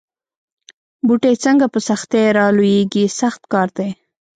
بوټی څنګه په سختۍ را لویېږي سخت کار دی.